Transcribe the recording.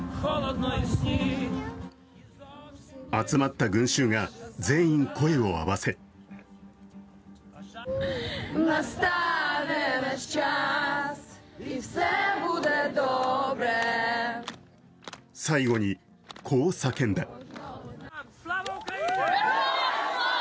集まった群衆が全員、声を合わせ最後に、こう叫んだ。